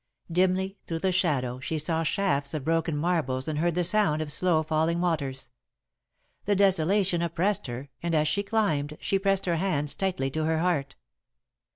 Dimly, through the shadow, she saw shafts of broken marbles and heard the sound of slow falling waters. The desolation oppressed her, and, as she climbed, she pressed her hands tightly to her heart.